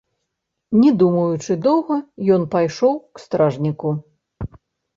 Не думаючы доўга, ён пайшоў к стражніку.